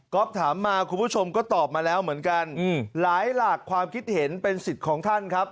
ก็ถามมาคุณผู้ชมก็ตอบมาแล้วเหมือนกันหลายหลากความคิดเห็นเป็นสิทธิ์ของท่านครับ